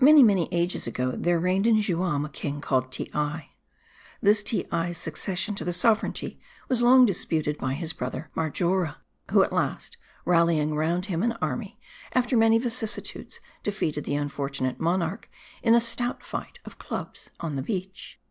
MANY ages ago, there reigned in Juam a king called Teei. This Teei's succession to the sovereignty was long disputed by His brother Marjora ; who at last rallying round him an army, after many vicissitudes, defeated the unfortu nate monarch in a stout fight of clubs on the beach.